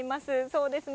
そうですね。